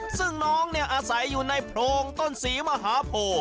ซึ่งน้องอาศัยอยู่ในโพรงต้นศรีมหาโพ